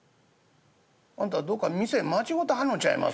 「あんたどっか店間違うてはんのちゃいます？」。